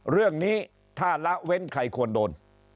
เรื่องนี้ถ้าละเว้นใครควรโดน